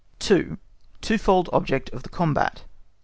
2. TWOFOLD OBJECT OF THE COMBAT.